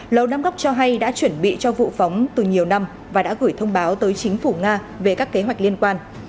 lầu đám góc cho hay đã chuẩn bị cho vụ phóng từ nhiều năm và đã gửi thông báo tới chính phủ nga về các kế hoạch liên quan